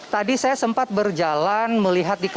tadi saya sempat berjalan melihat di kawasan